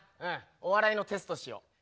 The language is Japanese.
お笑いのテストしよう。